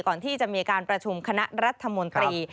ก่อนที่จะมีการประชุมคณะรัฐมนตรี